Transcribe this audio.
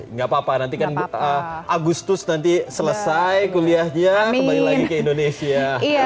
nggak apa apa nanti kan agustus nanti selesai kuliahnya kembali lagi ke indonesia